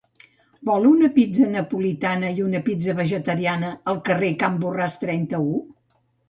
Vol una pizza napolitana i una pizza vegetariana al carrer Can Borràs trenta-u?